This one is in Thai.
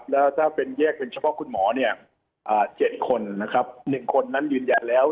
แล้วถ้าเป็นแยกเป็นเฉพาะคุณหมอเนี่ย๗คนนะครับ๑คนนั้นยืนยันแล้ว